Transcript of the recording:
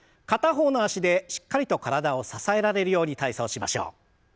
片方の脚でしっかりと体を支えられるように体操しましょう。